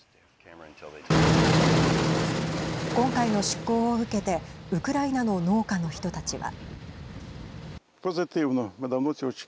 今回の出港を受けてウクライナの農家の人たちは。